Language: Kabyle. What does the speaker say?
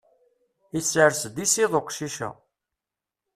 Isers-d iṣiḍ uqcic-a.